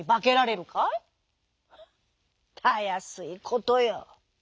「たやすいことよ」。